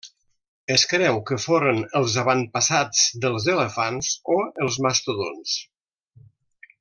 Es creu que foren els avantpassats dels elefants o els mastodonts.